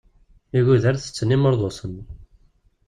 Igudar tetten imurḍusen.